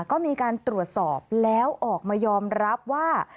ก็มีการตรวจสอบแล้วออกมายอมรับว่า